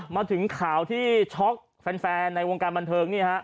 มาถึงข่าวที่ช็อกแฟนในวงการบันเทิงนี่ฮะ